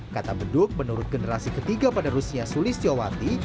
kata beduk menurut generasi ketiga pada rusnya sulis tjowati